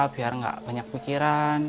biar gak banyak pikiran